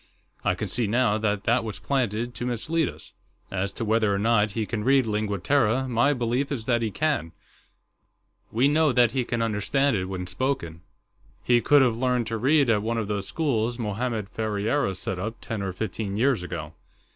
I can see, now, that that was planted to mislead us. As to whether or not he can read Lingua Terra, my belief is that he can. We know that he can understand it when spoken. He could have learned to read at one of those schools Mohammed Ferriera set up, ten or fifteen years ago."